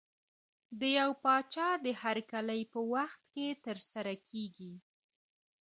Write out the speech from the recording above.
د یو پاچا د هرکلي په وخت کې ترسره کېږي.